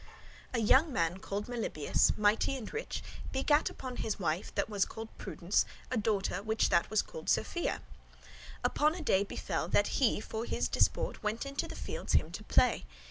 <1> A young man called Melibœus, mighty and rich, begat upon his wife, that called was Prudence, a daughter which that called was Sophia. Upon a day befell, that he for his disport went into the fields him to play.